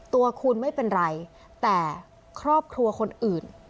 ตัวคุณไม่เป็นไรแต่ครอบครัวคนอื่น